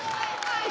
はい！